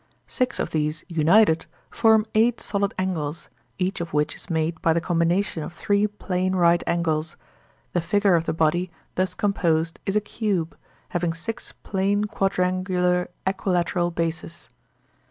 Six of these united form eight solid angles, each of which is made by the combination of three plane right angles; the figure of the body thus composed is a cube, having six plane quadrangular equilateral bases.